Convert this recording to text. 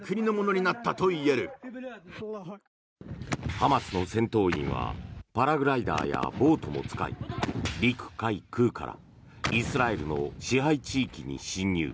ハマスの戦闘員はパラグライダーやボートも使い陸海空からイスラエルの支配地域に侵入。